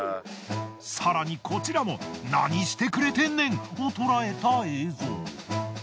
更にこちらも何してくれてんねん！を捉えた映像。